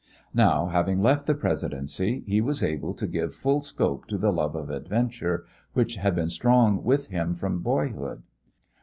Now, having left the Presidency, he was able to give full scope to the love of adventure, which had been strong with him from boyhood.